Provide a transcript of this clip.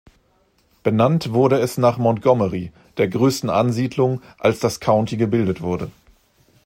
Benannt wurde es nach Montgomery, der größten Ansiedlung, als das County gebildet wurde.